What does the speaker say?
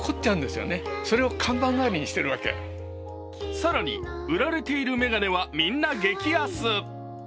更に、売られている眼鏡はみんな激安。